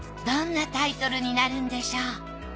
どんなタイトルになるんでしょう。